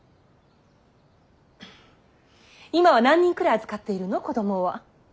今は何人くらい預かっているの子供は。